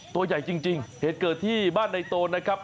ตัวใหญ่จริงเหตุเกิดที่บ้านในโตนนะครับ